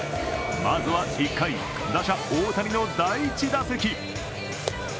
まずは１回、打者・大谷の第１打席。